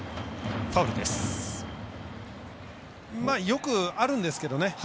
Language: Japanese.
よくあるんですけどね。